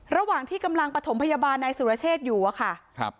ระหว่างที่กำลังปฐมพยาบาลนายสุรเชษอยู่อะค่ะครับ